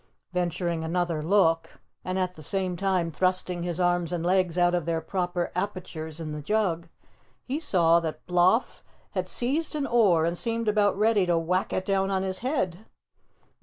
Venturing another look, and at the same time thrusting his arms and legs out of their proper apertures in the jug, he saw that Bloff had seized an oar and seemed about ready to whack it down on his head.